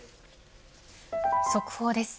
速報です。